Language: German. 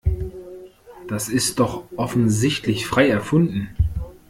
Das ist doch offensichtlich frei erfunden.